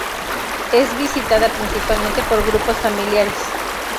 Es visitada principalmente por grupos familiares.